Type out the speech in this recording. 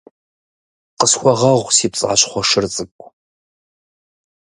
Къысхуэгъэгъу, си пцӀащхъуэ шыр цӀыкӀу.